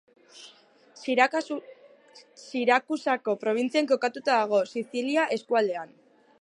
Sirakusako probintzian kokatuta dago, Sizilia eskualdean.